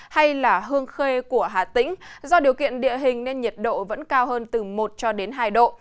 hay hương khê của hà tĩnh do điều kiện địa hình nên nhiệt độ vẫn cao hơn từ một hai độ